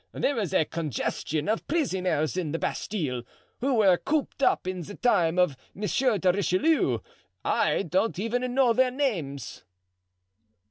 There is a congestion of prisoners in the Bastile, who were cooped up in the time of Monsieur de Richelieu; I don't even know their names."